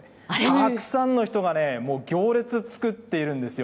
たくさんの人がね、もう行列作っているんですよ。